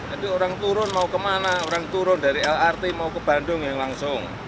jadi orang turun mau ke mana orang turun dari lrt mau ke bandung yang langsung